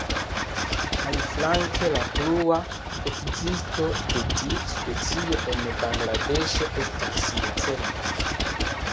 Aliflanke la plua ekzisto de tiu specio en Bangladeŝo estas necerta.